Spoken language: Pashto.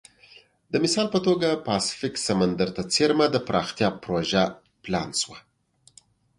د مثال په توګه پاسفیک سمندر ته څېرمه د پراختیا پروژه پلان شوه.